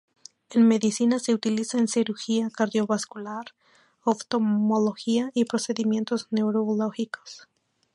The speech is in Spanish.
En Medicina se utiliza en cirugía cardiovascular, oftalmología y procedimientos neurológicos.